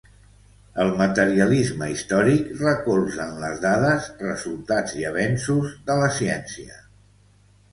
El materialisme històric recolza en les dades, resultats i avenços de la ciència.